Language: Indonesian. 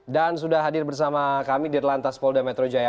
dan sudah hadir bersama kami di detlantas polda metro jaya